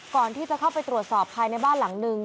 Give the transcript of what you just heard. ก่อนที่จะเข้าไปตรวจสอบภายในบ้านหลังนึง